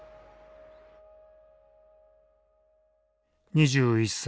２１歳。